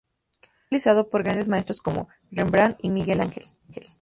Fue utilizado por grandes maestros como Rembrandt y Miguel Angel.